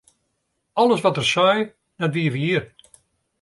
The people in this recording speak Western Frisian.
Alles wat er sei, dat wie wier.